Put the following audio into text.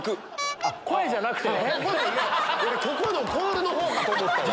ここのコールの方かと思ったわ。